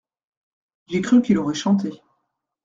J’ai cru qu’il aurait chanté.